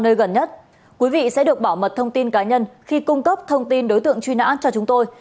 nơi gần nhất quý vị sẽ được bảo mật thông tin cá nhân khi cung cấp thông tin đối tượng truy nã cho chúng tôi